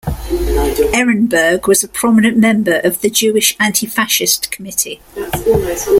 Ehrenburg was a prominent member of the Jewish Anti-Fascist Committee.